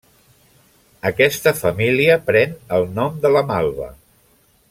Aquesta família pren el nom de la malva.